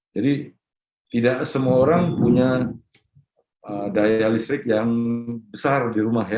jadi tidak semua orang punya daya listrik yang besar di rumah ya